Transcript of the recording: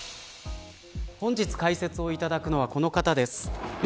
本日解説をいただくのはこの方です。